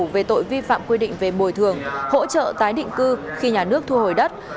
về tội vi phạm quy định về bồi thường hỗ trợ tái định cư khi nhà nước thu hồi đất